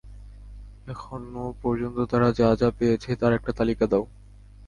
এখনও পর্যন্ত তারা যা যা পেয়েছে, তার একটা তালিকা দাও!